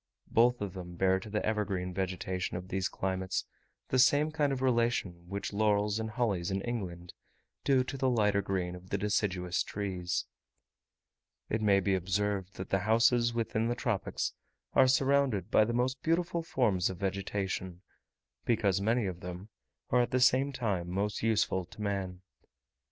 Both of them bear to the evergreen vegetation of these climates the same kind of relation which laurels and hollies in England do to the lighter green of the deciduous trees. It may be observed, that the houses within the tropics are surrounded by the most beautiful forms of vegetation, because many of them are at the same time most useful to man.